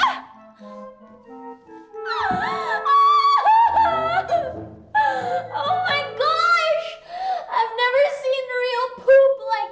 aku belum pernah lihat pup yang benar kayak ini